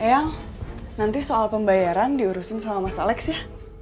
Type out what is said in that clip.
yang nanti soal pembayaran diurusin sama mas alex ya